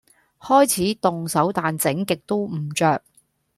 開始動手但整極都唔着